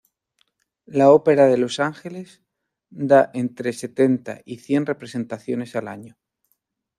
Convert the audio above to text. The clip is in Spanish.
La Ópera de Los Ángeles da entre setenta y cien representaciones al año.